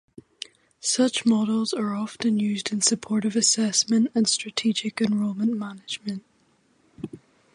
Such models are often used in support of assessment and strategic enrollment management.